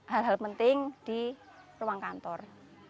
hal hal penting di ruang kantor